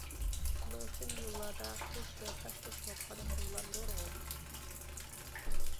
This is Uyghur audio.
شۇنىڭ ئۈچۈن يوللاردا خىش ۋە تاش توشۇۋاتقان ھارۋىلار نۇرغۇن.